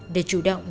để chủ động